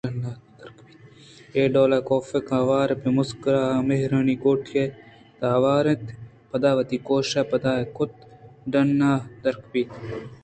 اے ڈول کافءَ آوان پہ مسکرا ءُمہروانی کوٹی ءِ تہا آورت اَنتءُپدا وتی کوش پاِدا کُت ءُ ڈنّءَ درکپت